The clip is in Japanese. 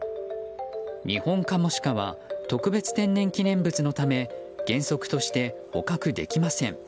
ニホンカモシカは特別天然記念物のため原則として捕獲できません。